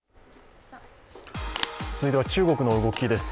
続いては中国の動きです。